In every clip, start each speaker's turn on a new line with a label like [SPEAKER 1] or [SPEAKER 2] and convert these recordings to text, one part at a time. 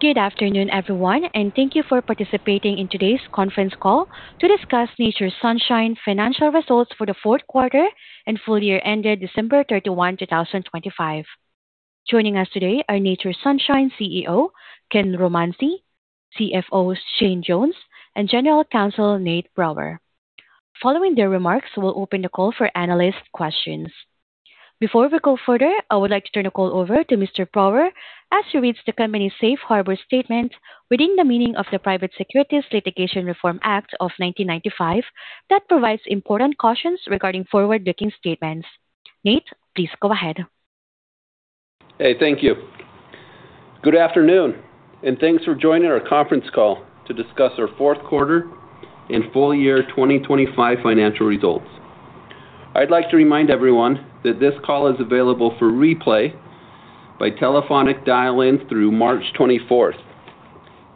[SPEAKER 1] Good afternoon, everyone, and thank you for participating in today's conference call to discuss Nature's Sunshine financial results for the fourth quarter and full year ended December 31, 2025. Joining us today are Nature's Sunshine CEO, Ken Romanzi, CFO Shane Jones, and General Counsel Nate Brower. Following their remarks, we'll open the call for analyst questions. Before we go further, I would like to turn the call over to Mr. Brower as he reads the company's safe harbor statement regarding the meaning of the Private Securities Litigation Reform Act of 1995 that provides important cautions regarding forward-looking statements. Nate, please go ahead.
[SPEAKER 2] Hey, thank you. Good afternoon, and thanks for joining our conference call to discuss our fourth quarter and full year 2025 financial results. I'd like to remind everyone that this call is available for replay by telephonic dial-in through March twenty-fourth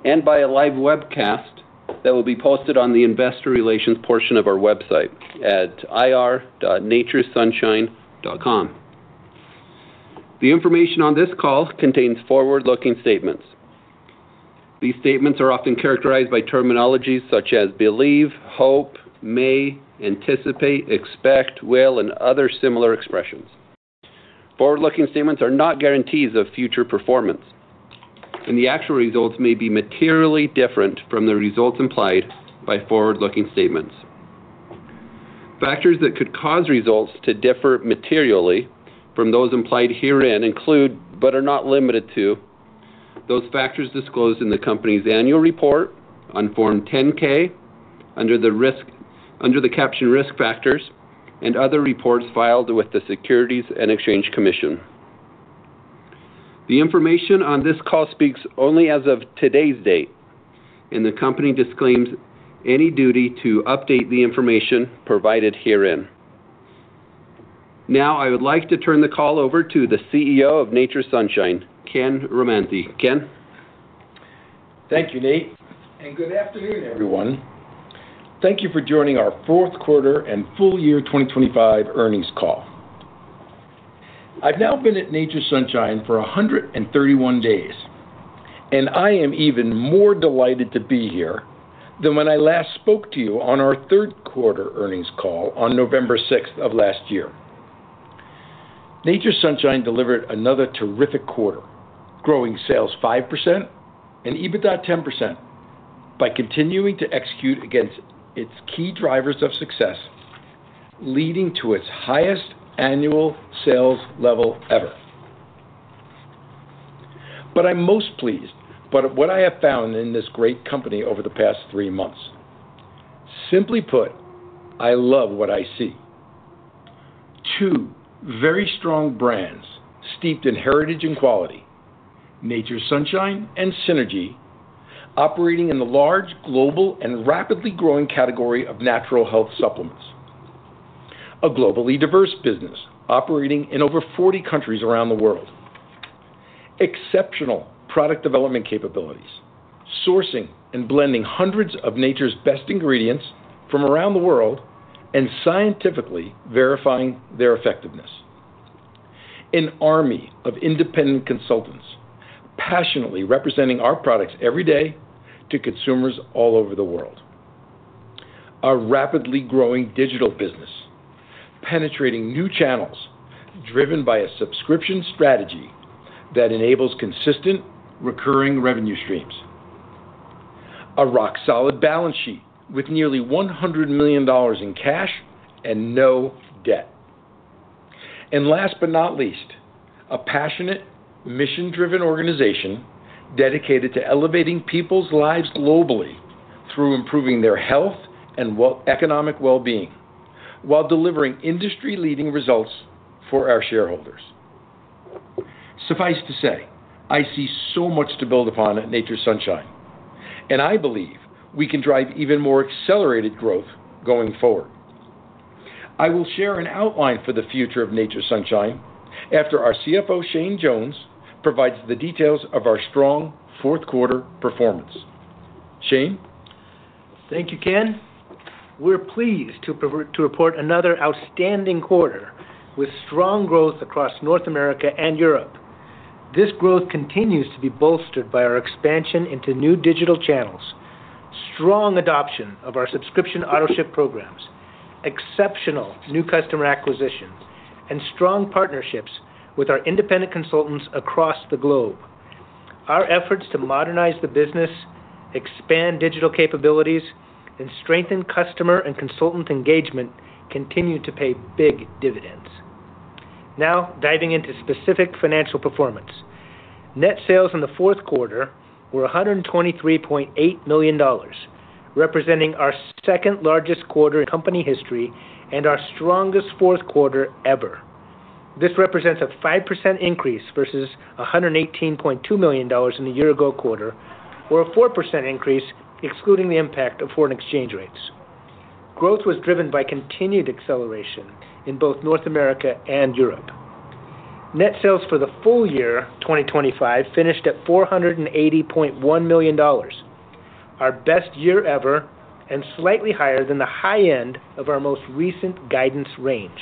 [SPEAKER 2] and by a live webcast that will be posted on the investor relations portion of our website at ir.naturesunshine.com. The information on this call contains forward-looking statements. These statements are often characterized by terminology such as believe, hope, may, anticipate, expect, will, and other similar expressions. Forward-looking statements are not guarantees of future performance, and the actual results may be materially different from the results implied by forward-looking statements. Factors that could cause results to differ materially from those implied herein include, but are not limited to, those factors disclosed in the company's annual report on Form 10-K under the risk. Under the caption Risk Factors and other reports filed with the Securities and Exchange Commission. The information on this call speaks only as of today's date, and the company disclaims any duty to update the information provided herein. Now, I would like to turn the call over to the CEO of Nature's Sunshine, Kenneth Romanzi. Ken?
[SPEAKER 3] Thank you, Nate, and good afternoon, everyone. Thank you for joining our fourth quarter and full year 2025 earnings call. I've now been at Nature's Sunshine for 131 days, and I am even more delighted to be here than when I last spoke to you on our third quarter earnings call on November sixth of last year. Nature's Sunshine delivered another terrific quarter, growing sales 5% and EBITDA 10% by continuing to execute against its key drivers of success, leading to its highest annual sales level ever. I'm most pleased by what I have found in this great company over the past three months. Simply put, I love what I see. Two very strong brands steeped in heritage and quality, Nature's Sunshine and Synergy, operating in the large, global, and rapidly growing category of natural health supplements. A globally diverse business operating in over 40 countries around the world. Exceptional product development capabilities, sourcing and blending hundreds of nature's best ingredients from around the world and scientifically verifying their effectiveness. An army of independent consultants passionately representing our products every day to consumers all over the world. A rapidly growing digital business penetrating new channels driven by a subscription strategy that enables consistent recurring revenue streams. A rock-solid balance sheet with nearly $100 million in cash and no debt. Last but not least, a passionate, mission-driven organization dedicated to elevating people's lives globally through improving their health and economic well-being while delivering industry-leading results for our shareholders. Suffice to say, I see so much to build upon at Nature's Sunshine, and I believe we can drive even more accelerated growth going forward. I will share an outline for the future of Nature's Sunshine after our CFO, Shane Jones, provides the details of our strong fourth quarter performance. Shane?
[SPEAKER 4] Thank you, Ken. We're pleased to report another outstanding quarter with strong growth across North America and Europe. This growth continues to be bolstered by our expansion into new digital channels, strong adoption of our subscription auto-ship programs, exceptional new customer acquisitions, and strong partnerships with our independent consultants across the globe. Our efforts to modernize the business, expand digital capabilities, and strengthen customer and consultant engagement continue to pay big dividends. Now, diving into specific financial performance. Net sales in the fourth quarter were $123.8 million, representing our second-largest quarter in company history and our strongest fourth quarter ever. This represents a 5% increase versus $118.2 million in the year ago quarter or a 4% increase excluding the impact of foreign exchange rates. Growth was driven by continued acceleration in both North America and Europe. Net sales for the full year 2025 finished at $480.1 million. Our best year ever and slightly higher than the high end of our most recent guidance range.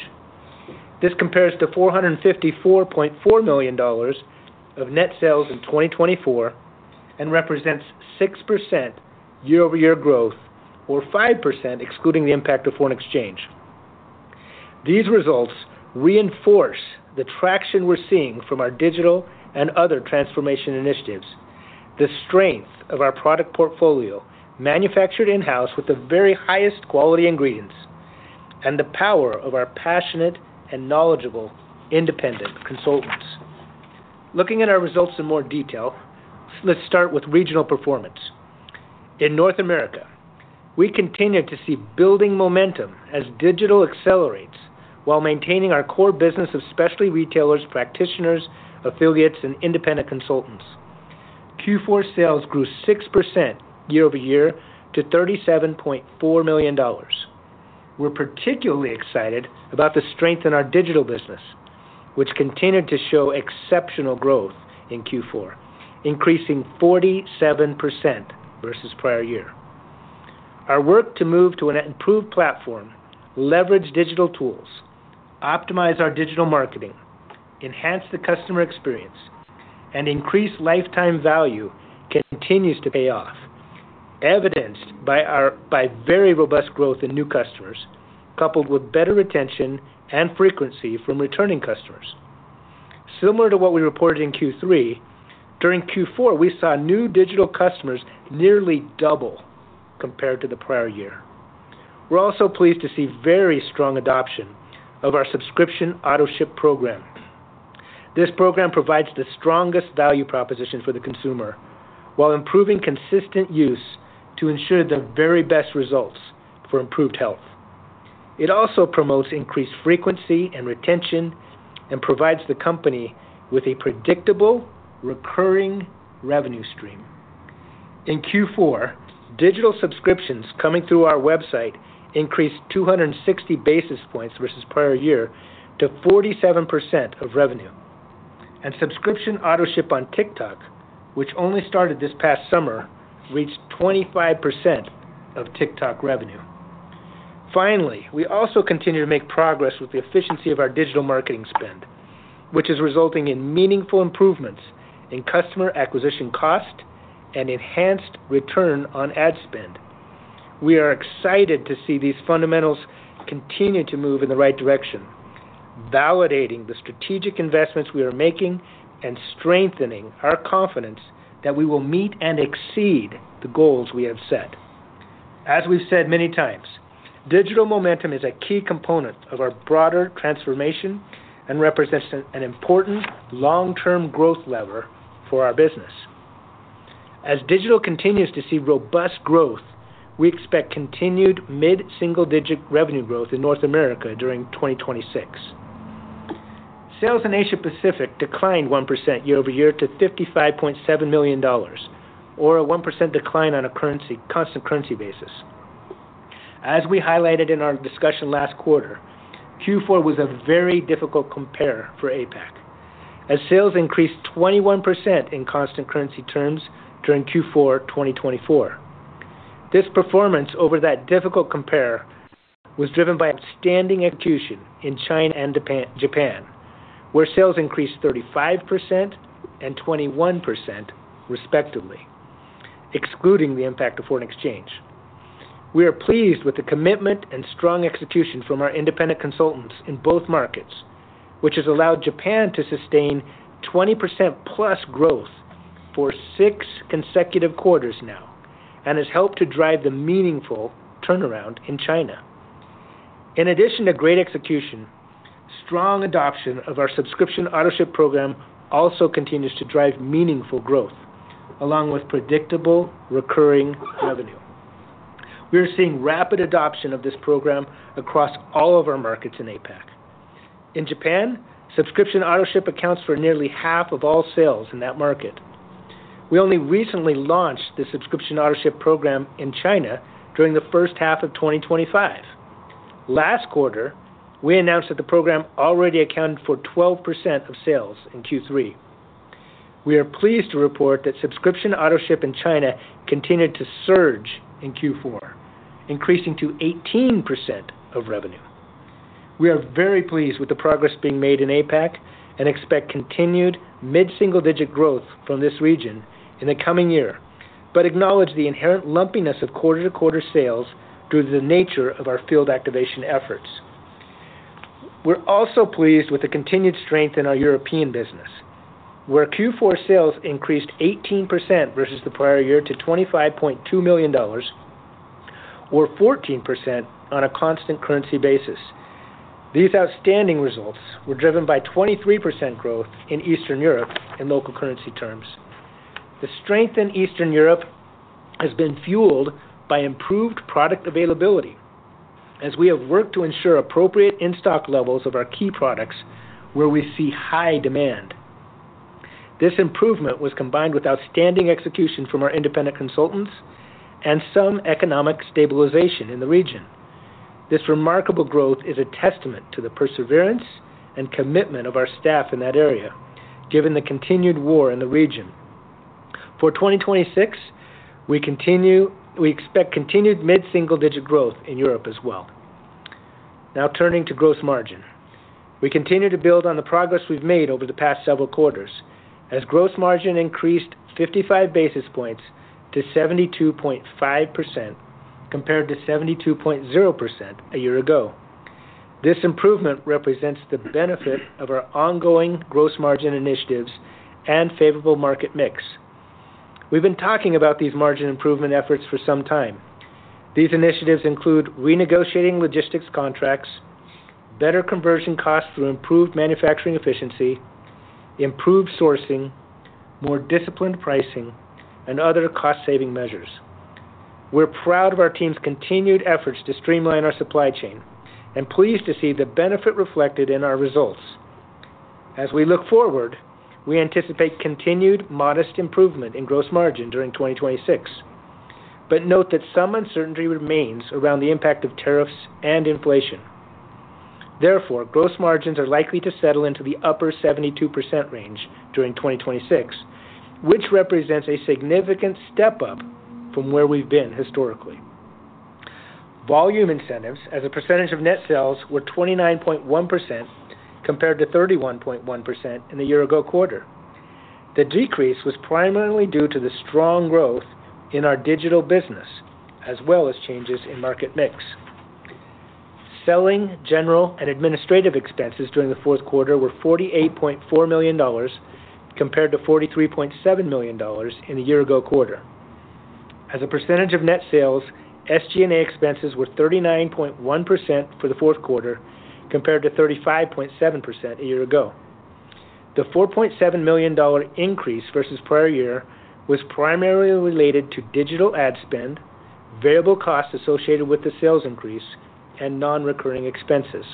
[SPEAKER 4] This compares to $454.4 million of net sales in 2024 and represents 6% year-over-year growth or 5% excluding the impact of foreign exchange. These results reinforce the traction we're seeing from our digital and other transformation initiatives. The strength of our product portfolio manufactured in-house with the very highest quality ingredients and the power of our passionate and knowledgeable independent consultants. Looking at our results in more detail, let's start with regional performance. In North America, we continue to see building momentum as digital accelerates while maintaining our core business of specialty retailers, practitioners, affiliates, and independent consultants. Q4 sales grew 6% year-over-year to $37.4 million. We're particularly excited about the strength in our digital business, which continued to show exceptional growth in Q4, increasing 47% versus prior year. Our work to move to an improved platform, leverage digital tools, optimize our digital marketing, enhance the customer experience, and increase lifetime value continues to pay off, evidenced by our very robust growth in new customers, coupled with better retention and frequency from returning customers. Similar to what we reported in Q3, during Q4, we saw new digital customers nearly double compared to the prior year. We're also pleased to see very strong adoption of our subscription auto-ship program. This program provides the strongest value proposition for the consumer while improving consistent use to ensure the very best results for improved health. It also promotes increased frequency and retention and provides the company with a predictable, recurring revenue stream. In Q4, digital subscriptions coming through our website increased 260 basis points versus prior year to 47% of revenue. Subscription auto-ship on TikTok, which only started this past summer, reached 25% of TikTok revenue. Finally, we also continue to make progress with the efficiency of our digital marketing spend, which is resulting in meaningful improvements in customer acquisition cost and enhanced return on ad spend. We are excited to see these fundamentals continue to move in the right direction, validating the strategic investments we are making and strengthening our confidence that we will meet and exceed the goals we have set. As we've said many times, digital momentum is a key component of our broader transformation and represents an important long-term growth lever for our business. As digital continues to see robust growth, we expect continued mid-single-digit revenue growth in North America during 2026. Sales in Asia-Pacific declined 1% year-over-year to $55.7 million or a 1% decline on a constant currency basis. As we highlighted in our discussion last quarter, Q4 was a very difficult compare for APAC, as sales increased 21% in constant currency terms during Q4 2024. This performance over that difficult compare was driven by outstanding execution in China and Japan, where sales increased 35% and 21% respectively, excluding the impact of foreign exchange. We are pleased with the commitment and strong execution from our independent consultants in both markets, which has allowed Japan to sustain 20%+ growth for six consecutive quarters now and has helped to drive the meaningful turnaround in China. In addition to great execution, strong adoption of our subscription auto-ship program also continues to drive meaningful growth, along with predictable recurring revenue. We are seeing rapid adoption of this program across all of our markets in APAC. In Japan, subscription auto-ship accounts for nearly half of all sales in that market. We only recently launched the subscription auto-ship program in China during the first half of 2025. Last quarter, we announced that the program already accounted for 12% of sales in Q3. We are pleased to report that subscription auto-ship in China continued to surge in Q4, increasing to 18% of revenue. We are very pleased with the progress being made in APAC and expect continued mid-single-digit growth from this region in the coming year, but acknowledge the inherent lumpiness of quarter-to-quarter sales due to the nature of our field activation efforts. We're also pleased with the continued strength in our European business, where Q4 sales increased 18% versus the prior year to $25.2 million or 14% on a constant currency basis. These outstanding results were driven by 23% growth in Eastern Europe in local currency terms. The strength in Eastern Europe has been fueled by improved product availability as we have worked to ensure appropriate in-stock levels of our key products where we see high demand. This improvement was combined with outstanding execution from our independent consultants and some economic stabilization in the region. This remarkable growth is a testament to the perseverance and commitment of our staff in that area, given the continued war in the region. For 2026, we expect continued mid-single-digit growth in Europe as well. Now turning to gross margin. We continue to build on the progress we've made over the past several quarters, as gross margin increased 55 basis points to 72.5% compared to 72.0% a year ago. This improvement represents the benefit of our ongoing gross margin initiatives and favorable market mix. We've been talking about these margin improvement efforts for some time. These initiatives include renegotiating logistics contracts, better conversion costs through improved manufacturing efficiency, improved sourcing, more disciplined pricing, and other cost-saving measures. We're proud of our team's continued efforts to streamline our supply chain and pleased to see the benefit reflected in our results. As we look forward, we anticipate continued modest improvement in gross margin during 2026. Note that some uncertainty remains around the impact of tariffs and inflation. Therefore, gross margins are likely to settle into the upper 72% range during 2026, which represents a significant step up from where we've been historically. Volume incentives as a percentage of net sales were 29.1% compared to 31.1% in the year ago quarter. The decrease was primarily due to the strong growth in our digital business, as well as changes in market mix. Selling, general, and administrative expenses during the fourth quarter were $48.4 million compared to $43.7 million in the year ago quarter. As a percentage of net sales, SG&A expenses were 39.1% for the fourth quarter compared to 35.7% a year ago. The $4.7 million increase versus prior year was primarily related to digital ad spend, variable costs associated with the sales increase, and non-recurring expenses.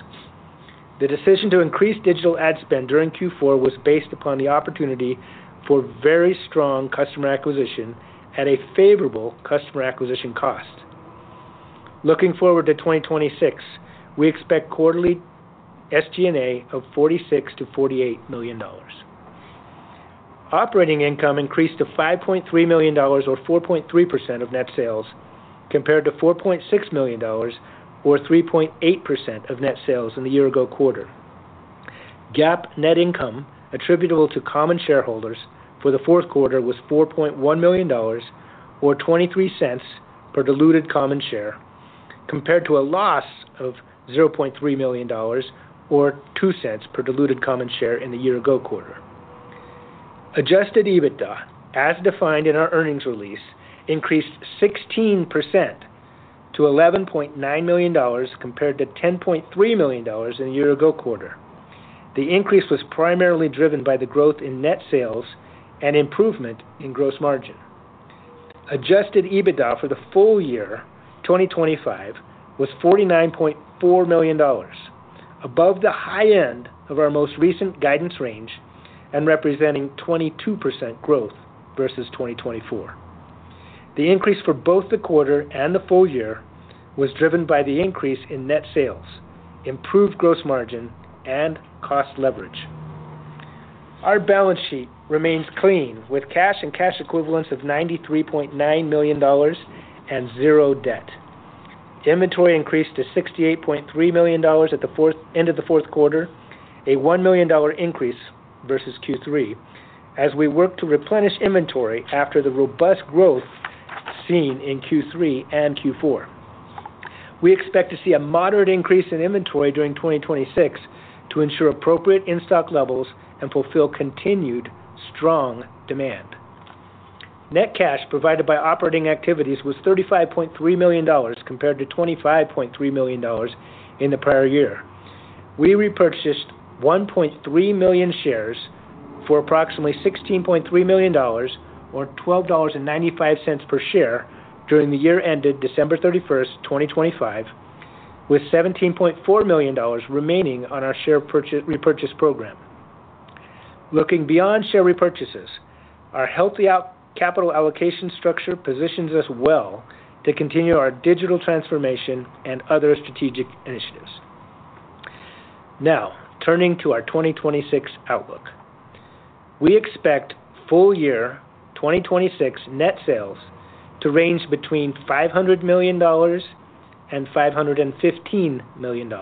[SPEAKER 4] The decision to increase digital ad spend during Q4 was based upon the opportunity for very strong customer acquisition at a favorable customer acquisition cost. Looking forward to 2026, we expect quarterly SG&A of $46 million-$48 million. Operating income increased to $5.3 million or 4.3% of net sales, compared to $4.6 million or 3.8% of net sales in the year ago quarter. GAAP net income attributable to common shareholders for the fourth quarter was $4.1 million or $0.23 per diluted common share, compared to a loss of $0.3 million or $0.2 per diluted common share in the year ago quarter. Adjusted EBITDA, as defined in our earnings release, increased 16% to $11.9 million compared to $10.3 million in the year ago quarter. The increase was primarily driven by the growth in net sales and improvement in gross margin. Adjusted EBITDA for the full year 2025 was $49.4 million, above the high end of our most recent guidance range and representing 22% growth versus 2024. The increase for both the quarter and the full year was driven by the increase in net sales, improved gross margin, and cost leverage. Our balance sheet remains clean, with cash and cash equivalents of $93.9 million and zero debt. Inventory increased to $68.3 million at the end of the fourth quarter, a $1 million increase versus Q3 as we work to replenish inventory after the robust growth seen in Q3 and Q4. We expect to see a moderate increase in inventory during 2026 to ensure appropriate in-stock levels and fulfill continued strong demand. Net cash provided by operating activities was $35.3 million compared to $25.3 million in the prior year. We repurchased 1.3 million shares for approximately $16.3 million or $12.95 per share during the year ended December 31, 2025, with $17.4 million remaining on our share repurchase program. Looking beyond share repurchases, our healthy capital allocation structure positions us well to continue our digital transformation and other strategic initiatives. Now, turning to our 2026 outlook. We expect full year 2026 net sales to range between $500 million and $515 million,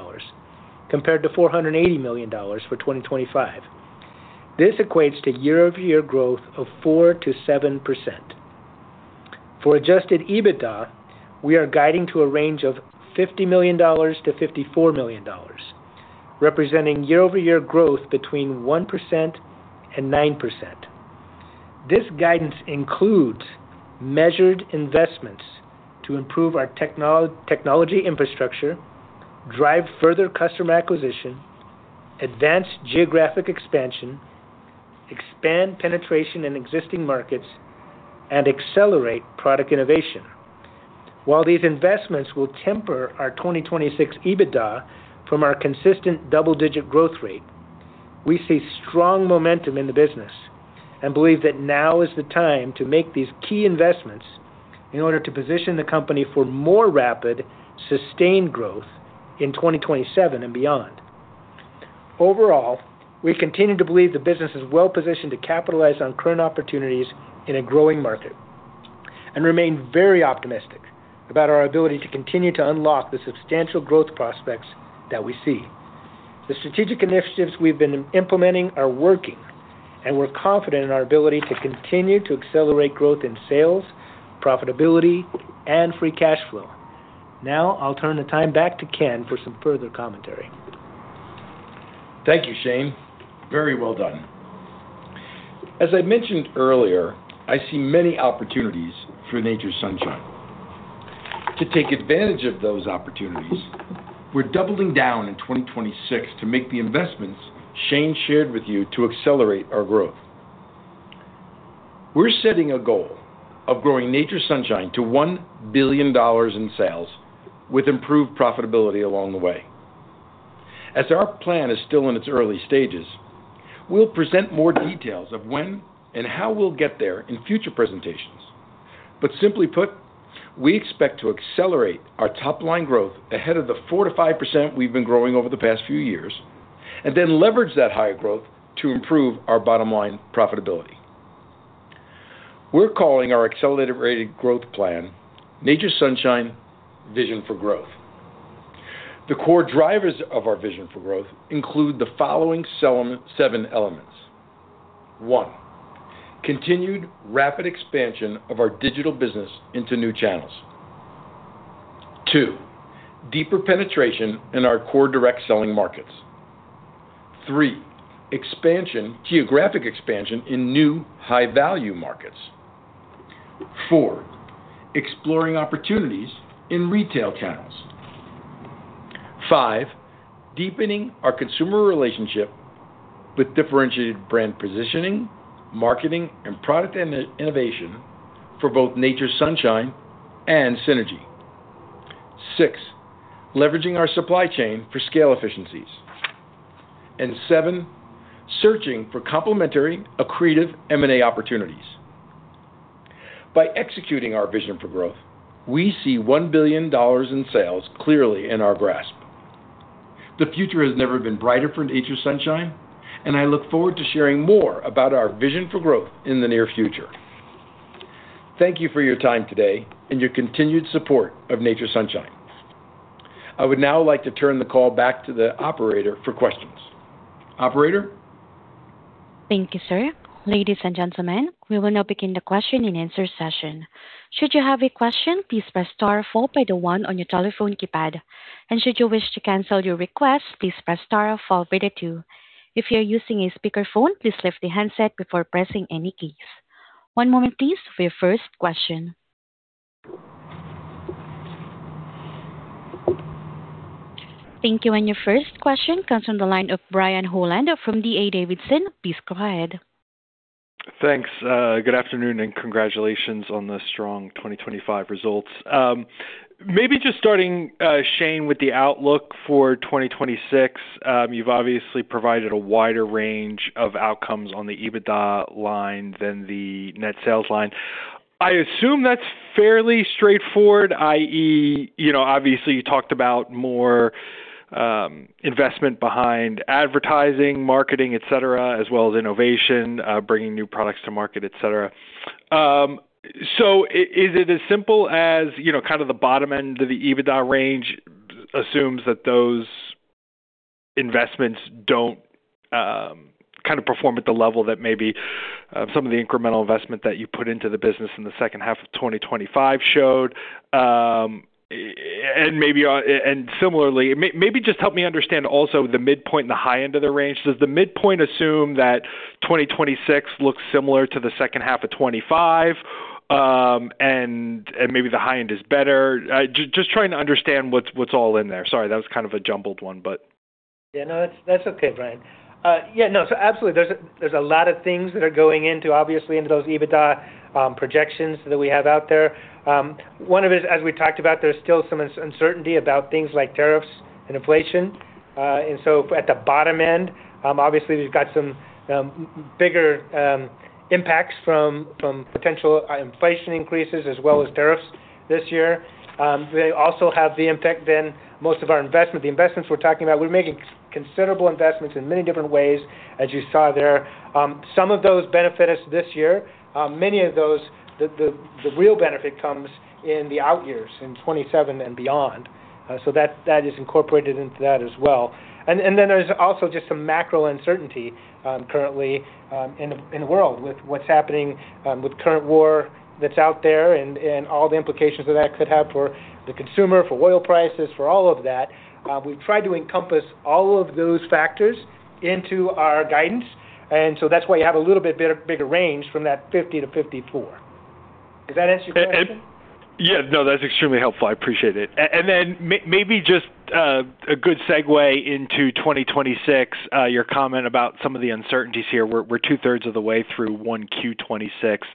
[SPEAKER 4] compared to $480 million for 2025. This equates to year-over-year growth of 4%-7%. For adjusted EBITDA, we are guiding to a range of $50 million-$54 million, representing year-over-year growth between 1% and 9%. This guidance includes measured investments to improve our technology infrastructure, drive further customer acquisition, advance geographic expansion, expand penetration in existing markets, and accelerate product innovation. While these investments will temper our 2026 EBITDA from our consistent double-digit growth rate. We see strong momentum in the business and believe that now is the time to make these key investments in order to position the company for more rapid, sustained growth in 2027 and beyond. Overall, we continue to believe the business is well positioned to capitalize on current opportunities in a growing market and remain very optimistic about our ability to continue to unlock the substantial growth prospects that we see. The strategic initiatives we've been implementing are working, and we're confident in our ability to continue to accelerate growth in sales, profitability, and free cash flow. Now I'll turn the time back to Ken for some further commentary.
[SPEAKER 3] Thank you, Shane. Very well done. As I mentioned earlier, I see many opportunities for Nature's Sunshine. To take advantage of those opportunities, we're doubling down in 2026 to make the investments Shane shared with you to accelerate our growth. We're setting a goal of growing Nature's Sunshine to $1 billion in sales with improved profitability along the way. As our plan is still in its early stages, we'll present more details of when and how we'll get there in future presentations. Simply put, we expect to accelerate our top-line growth ahead of the 4%-5% we've been growing over the past few years and then leverage that higher growth to improve our bottom line profitability. We're calling our accelerated rated growth plan Nature's Sunshine Vision for Growth. The core drivers of our vision for growth include the following seven elements. One, continued rapid expansion of our digital business into new channels. Two, deeper penetration in our core direct selling markets. Three, geographic expansion in new high-value markets. Four, exploring opportunities in retail channels. Five, deepening our consumer relationship with differentiated brand positioning, marketing, and product innovation for both Nature's Sunshine and Synergy. Six, leveraging our supply chain for scale efficiencies. And seven, searching for complementary, accretive M&A opportunities. By executing our vision for growth, we see $1 billion in sales clearly in our grasp. The future has never been brighter for Nature's Sunshine, and I look forward to sharing more about our vision for growth in the near future. Thank you for your time today and your continued support of Nature's Sunshine. I would now like to turn the call back to the operator for questions. Operator?
[SPEAKER 1] Thank you, sir. Ladies and gentlemen, we will now begin the question-and-answer session. Should you have a question, please press star followed by the one on your telephone keypad. Should you wish to cancel your request, please press star followed by the two. If you're using a speakerphone, please lift the handset before pressing any keys. One moment please for your first question. Thank you. Your first question comes from the line of Brian Holland from D.A. Davidson. Please go ahead.
[SPEAKER 5] Thanks, good afternoon, and congratulations on the strong 2025 results. Maybe just starting, Shane, with the outlook for 2026. You've obviously provided a wider range of outcomes on the EBITDA line than the net sales line. I assume that's fairly straightforward, i.e., you know, obviously, you talked about more, investment behind advertising, marketing, etc., as well as innovation, bringing new products to market, etc. So is it as simple as, you know, kind of the bottom end of the EBITDA range assumes that those investments don't, kind of perform at the level that maybe, some of the incremental investment that you put into the business in the second half of 2025 showed? And maybe, and similarly, maybe just help me understand also the midpoint and the high end of the range. Does the midpoint assume that 2026 looks similar to the second half of 2025, and maybe the high end is better? Just trying to understand what's all in there. Sorry, that was kind of a jumbled one, but.
[SPEAKER 4] Yeah, no, that's okay, Brian. Yeah, no. Absolutely, there's a lot of things that are going into, obviously, into those EBITDA projections that we have out there. One of it, as we talked about, there's still some uncertainty about things like tariffs and inflation. At the bottom end, obviously we've got some bigger impacts from potential inflation increases as well as tariffs this year. They also have the impact. Then most of our investment, the investments we're talking about, we're making considerable investments in many different ways, as you saw there. Some of those benefit us this year. Many of those, the real benefit comes in the out years, in 2027 and beyond. That is incorporated into that as well. There's also just some macro uncertainty, currently, in the world with what's happening, with current war that's out there and all the implications that that could have for the consumer, for oil prices, for all of that. We've tried to encompass all of those factors into our guidance, that's why you have a little bit bigger range from that 50-54. Does that answer your question?
[SPEAKER 5] Yeah. No, that's extremely helpful. I appreciate it. And then maybe just a good segue into 2026, your comment about some of the uncertainties here. We're two-thirds of the way through 1Q 2026.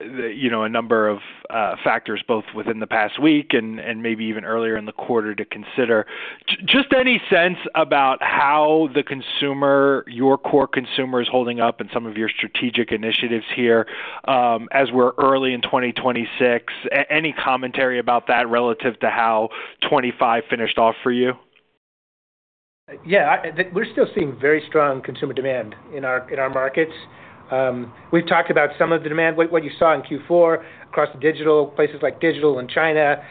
[SPEAKER 5] You know, a number of factors, both within the past week and maybe even earlier in the quarter to consider. Just any sense about how the consumer, your core consumer is holding up in some of your strategic initiatives here, as we're early in 2026. Any commentary about that relative to how 2025 finished off for you?
[SPEAKER 4] Yeah. We're still seeing very strong consumer demand in our markets. We've talked about some of the demand. What you saw in Q4 across the digital, places like digital and China,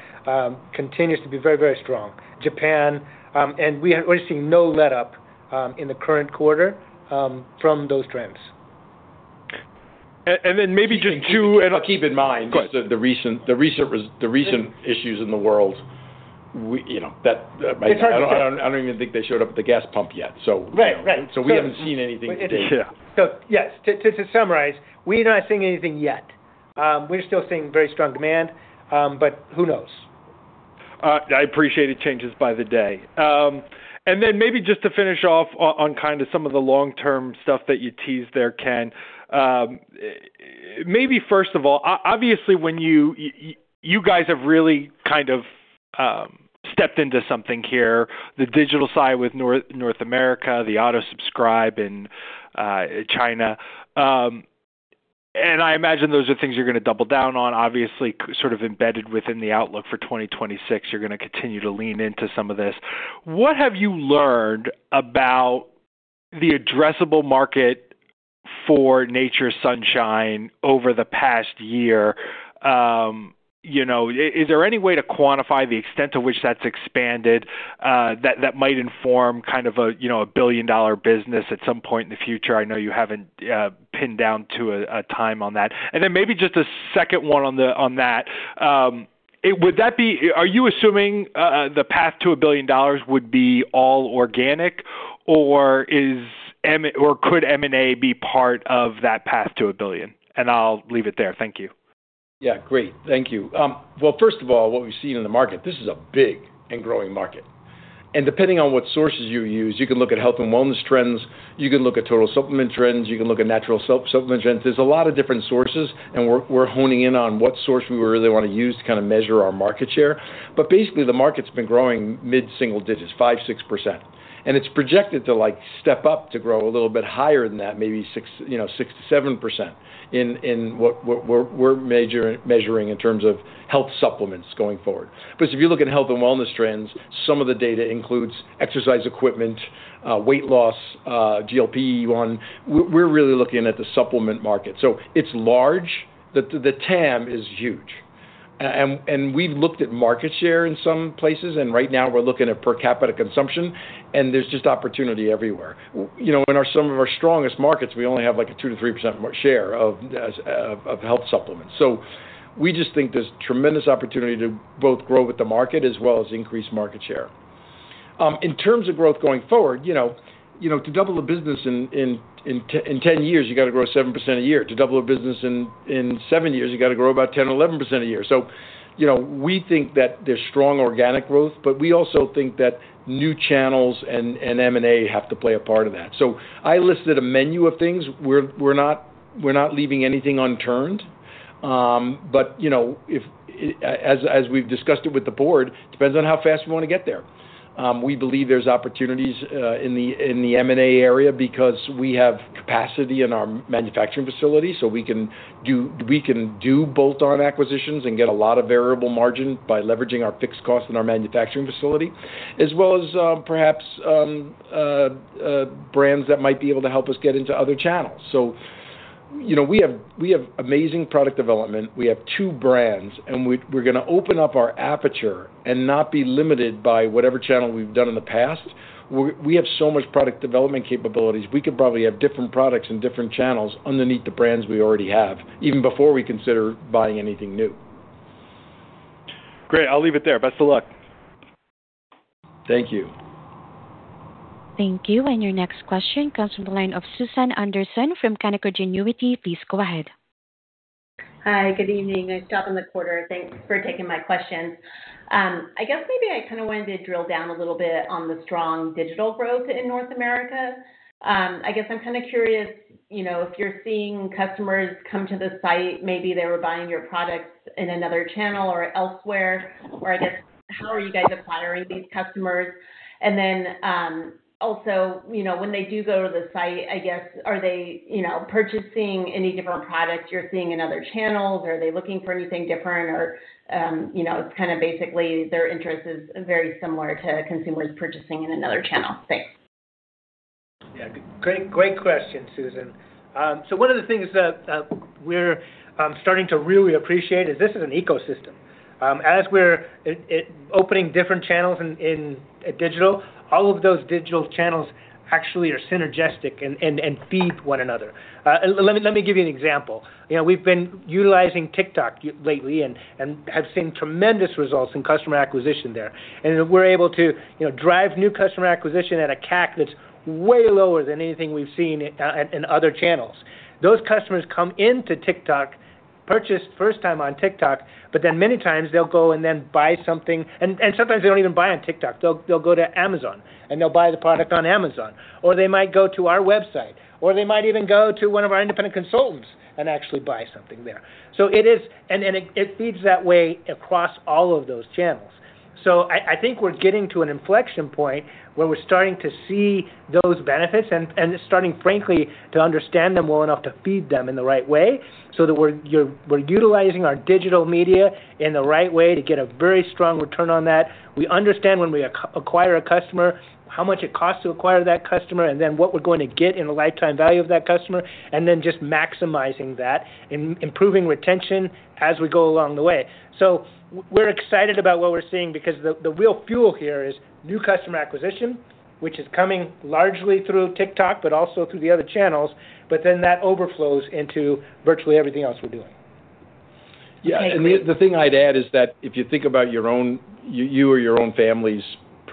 [SPEAKER 4] continues to be very, very strong. Japan, and we're seeing no letup in the current quarter from those trends.
[SPEAKER 5] Maybe just two, and I'll keep in mind.
[SPEAKER 3] Go ahead.
[SPEAKER 5] just the recent issues in the world. We, you know, that might-
[SPEAKER 4] It's hard to-
[SPEAKER 3] I don't even think they showed up at the gas pump yet, so.
[SPEAKER 4] Right. Right.
[SPEAKER 3] We haven't seen anything today.
[SPEAKER 5] Yeah.
[SPEAKER 4] Yes. To summarize, we're not seeing anything yet. We're still seeing very strong demand, but who knows?
[SPEAKER 5] I appreciate it changes by the day. Maybe just to finish off on kind of some of the long-term stuff that you teased there, Ken. Maybe first of all, obviously, you guys have really kind of stepped into something here, the digital side with North America, the auto-subscribe in China. I imagine those are things you're gonna double down on, obviously sort of embedded within the outlook for 2026. You're gonna continue to lean into some of this. What have you learned about the addressable market for Nature's Sunshine over the past year? You know, is there any way to quantify the extent to which that's expanded, that might inform kind of a, you know, a billion-dollar business at some point in the future? I know you haven't pinned down to a time on that. Then maybe just a second one on that. Are you assuming the path to $1 billion would be all organic or could M&A be part of that path to $1 billion? I'll leave it there. Thank you.
[SPEAKER 3] Yeah, great. Thank you. Well, first of all, what we've seen in the market, this is a big and growing market. Depending on what sources you use, you can look at health and wellness trends, you can look at total supplement trends, you can look at natural supplement trends. There's a lot of different sources, and we're honing in on what source we really wanna use to kinda measure our market share. Basically, the market's been growing mid-single digits, 5%-6%. It's projected to, like, step up to grow a little bit higher than that, maybe 6, you know, 6%-7% in what we're measuring in terms of health supplements going forward. If you look at health and wellness trends, some of the data includes exercise equipment, weight loss, GLP-1. We're really looking at the supplement market. It's large. The TAM is huge. We've looked at market share in some places, and right now we're looking at per capita consumption, and there's just opportunity everywhere. You know, in some of our strongest markets, we only have, like, a 2-3% share of health supplements. We just think there's tremendous opportunity to both grow with the market as well as increase market share. In terms of growth going forward, you know, to double the business in 10 years, you gotta grow 7% a year. To double a business in seven years, you gotta grow about 10%-11% a year. You know, we think that there's strong organic growth, but we also think that new channels and M&A have to play a part in that. I listed a menu of things. We're not leaving anything unturned. You know, as we've discussed it with the board, depends on how fast we wanna get there. We believe there's opportunities in the M&A area because we have capacity in our manufacturing facility, so we can do bolt-on acquisitions and get a lot of variable margin by leveraging our fixed cost in our manufacturing facility, as well as perhaps brands that might be able to help us get into other channels. You know, we have amazing product development. We have two brands, and we're gonna open up our aperture and not be limited by whatever channel we've done in the past. We have so much product development capabilities, we could probably have different products and different channels underneath the brands we already have, even before we consider buying anything new.
[SPEAKER 5] Great. I'll leave it there. Best of luck.
[SPEAKER 3] Thank you.
[SPEAKER 1] Thank you. Your next question comes from the line of Susan Anderson from Canaccord Genuity. Please go ahead.
[SPEAKER 6] Hi. Good evening. Nice job in the quarter. Thanks for taking my questions. I guess maybe I kinda wanted to drill down a little bit on the strong digital growth in North America. I guess I'm kinda curious, you know, if you're seeing customers come to the site, maybe they were buying your products in another channel or elsewhere, or I guess how are you guys acquiring these customers? Then, also, you know, when they do go to the site, I guess, are they, you know, purchasing any different products you're seeing in other channels? Are they looking for anything different or, you know, it's kinda basically their interest is very similar to consumers purchasing in another channel? Thanks.
[SPEAKER 4] Yeah. Great question, Susan. So one of the things that we're starting to really appreciate is this is an ecosystem. As we're opening different channels in digital, all of those digital channels actually are synergistic and feed one another. Let me give you an example. You know, we've been utilizing TikTok lately and have seen tremendous results in customer acquisition there. We're able to, you know, drive new customer acquisition at a CAC that's way lower than anything we've seen in other channels. Those customers come into TikTok purchased first time on TikTok, but then many times they'll go and then buy something. Sometimes they don't even buy on TikTok. They'll go to Amazon, and they'll buy the product on Amazon. They might go to our website, or they might even go to one of our independent consultants and actually buy something there. It is. Then it feeds that way across all of those channels. I think we're getting to an inflection point where we're starting to see those benefits and just starting, frankly, to understand them well enough to feed them in the right way so that we're utilizing our digital media in the right way to get a very strong return on that. We understand when we acquire a customer, how much it costs to acquire that customer, and then what we're going to get in the lifetime value of that customer, and then just maximizing that, improving retention as we go along the way. We're excited about what we're seeing because the real fuel here is new customer acquisition, which is coming largely through TikTok, but also through the other channels, but then that overflows into virtually everything else we're doing.
[SPEAKER 3] Yeah. The thing I'd add is that if you think about your own family's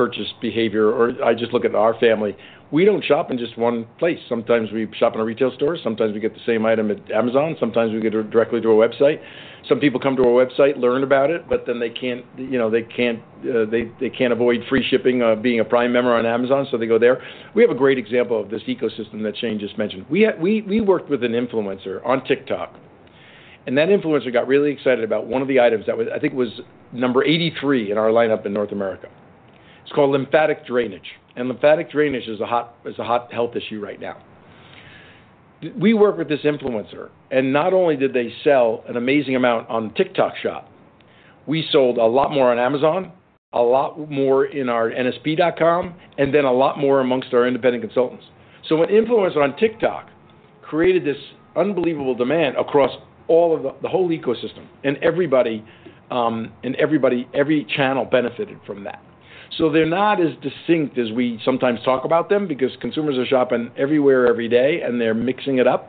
[SPEAKER 3] purchase behavior, or I just look at our family, we don't shop in just one place. Sometimes we shop in a retail store. Sometimes we get the same item at Amazon. Sometimes we go directly to a website. Some people come to our website, learn about it, but then they can't avoid free shipping being a Prime member on Amazon, so they go there. We have a great example of this ecosystem that Shane just mentioned. We worked with an influencer on TikTok, and that influencer got really excited about one of the items that I think it was number 83 in our lineup in North America. It's called Lymphatic Drainage, and Lymphatic Drainage is a hot health issue right now. We worked with this influencer, and not only did they sell an amazing amount on TikTok shop, we sold a lot more on Amazon, a lot more in our nsp.com, and then a lot more amongst our independent consultants. An influencer on TikTok created this unbelievable demand across all of the whole ecosystem and everybody, every channel benefited from that. They're not as distinct as we sometimes talk about them because consumers are shopping everywhere every day, and they're mixing it up,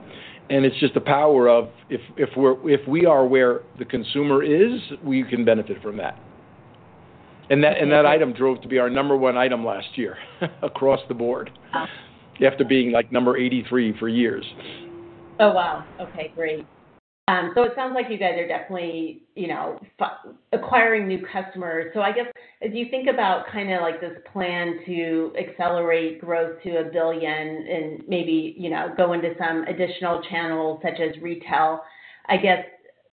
[SPEAKER 3] and it's just the power of if we are where the consumer is, we can benefit from that. That item drove to be our number one item last year across the board after being, like, number 83 for years.
[SPEAKER 6] Oh, wow. Okay, great. It sounds like you guys are definitely, you know, acquiring new customers. I guess as you think about kinda like this plan to accelerate growth to a billion and maybe, you know, go into some additional channels such as retail, I guess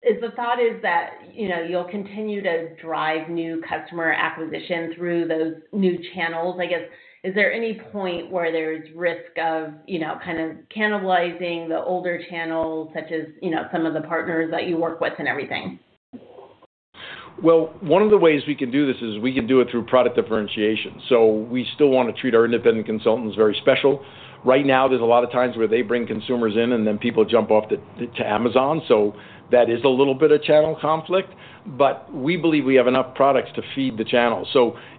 [SPEAKER 6] is the thought is that, you know, you'll continue to drive new customer acquisition through those new channels? I guess is there any point where there's risk of, you know, kind of cannibalizing the older channels such as, you know, some of the partners that you work with and everything?
[SPEAKER 3] Well, one of the ways we can do this is we can do it through product differentiation. We still wanna treat our independent consultants very special. Right now, there's a lot of times where they bring consumers in, and then people jump off to Amazon, so that is a little bit of channel conflict. We believe we have enough products to feed the channel.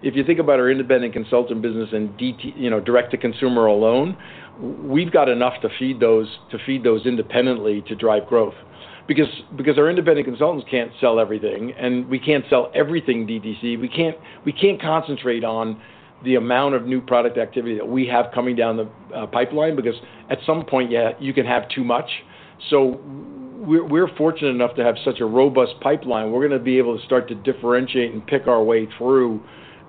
[SPEAKER 3] If you think about our independent consultant business and DTC, you know, direct-to-consumer alone, we've got enough to feed those independently to drive growth. Because our independent consultants can't sell everything, and we can't sell everything DTC. We can't concentrate on the amount of new product activity that we have coming down the pipeline because at some point, yeah, you can have too much. We're fortunate enough to have such a robust pipeline. We're gonna be able to start to differentiate and pick our way through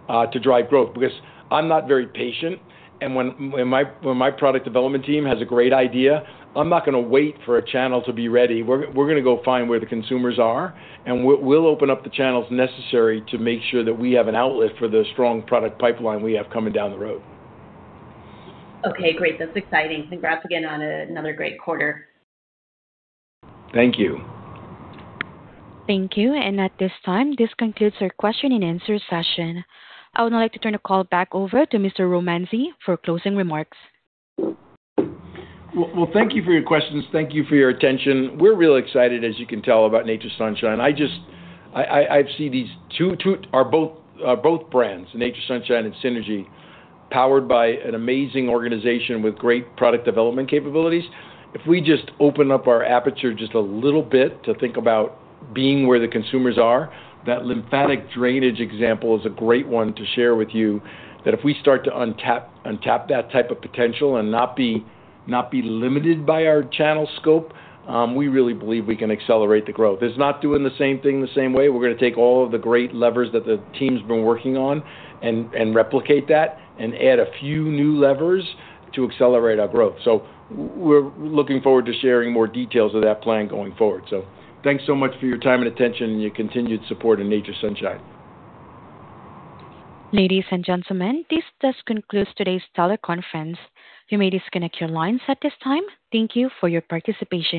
[SPEAKER 3] to drive growth. Because I'm not very patient, and when my product development team has a great idea, I'm not gonna wait for a channel to be ready. We're gonna go find where the consumers are, and we'll open up the channels necessary to make sure that we have an outlet for the strong product pipeline we have coming down the road.
[SPEAKER 6] Okay, great. That's exciting. Congrats again on another great quarter.
[SPEAKER 3] Thank you.
[SPEAKER 1] Thank you. At this time, this concludes our question and answer session. I would now like to turn the call back over to Mr. Romanzi for closing remarks.
[SPEAKER 3] Well, thank you for your questions. Thank you for your attention. We're real excited, as you can tell, about Nature's Sunshine. I see these two are both brands, Nature's Sunshine and Synergy, powered by an amazing organization with great product development capabilities. If we just open up our aperture just a little bit to think about being where the consumers are, that Lymphatic Drainage example is a great one to share with you that if we start to untap that type of potential and not be limited by our channel scope, we really believe we can accelerate the growth. It's not doing the same thing the same way. We're gonna take all of the great levers that the team's been working on and replicate that and add a few new levers to accelerate our growth. We're looking forward to sharing more details of that plan going forward. Thanks so much for your time and attention and your continued support in Nature's Sunshine.
[SPEAKER 1] Ladies and gentlemen, this does conclude today's teleconference. You may disconnect your lines at this time. Thank you for your participation.